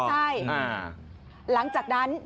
ใช่หลังจากนั้น